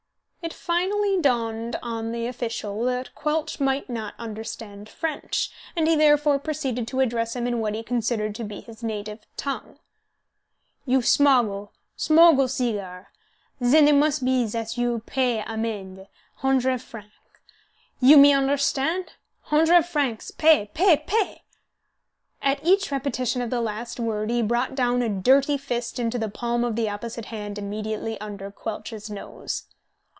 It finally dawned on the official that Quelch might not understand French, and he therefore proceeded to address him in what he considered to be his native tongue. "You smoggle smoggle seegar. Zen it must zat you pay amende, hundred francs. You me understand? Hundred francs pay! pay! pay!" At each repetition of the last word he brought down a dirty fist into the palm of the opposite hand immediately under Quelch's nose.